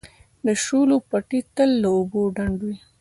د شولو پټي تل له اوبو ډنډ وي.